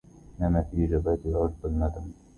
نما في جبهتي عشب الندمْ